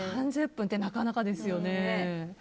３０分ってなかなかですよね。